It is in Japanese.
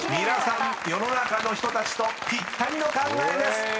［皆さん世の中の人たちとぴったりの考えです］